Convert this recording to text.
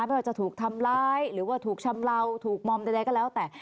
ไม่ว่าจะถูกทำร้ายหรือว่าถูกชำเลาถูกมอมใดก็แล้วแต่